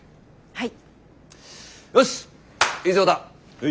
はい。